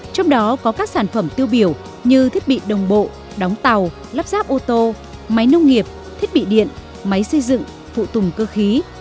trong đó có các sản phẩm tiêu biểu như thiết bị đồng bộ đóng tàu lắp ráp ô tô máy nông nghiệp thiết bị điện máy xây dựng phụ tùng cơ khí